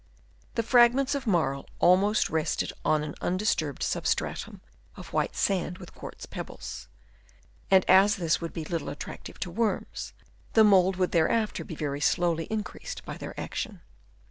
The fragments of marl almost rested on an undisturbed sub stratum of white sand with quartz pebbles ; and as this would be little attractive to worms, the mould would hereafter be very slowly increased by their action.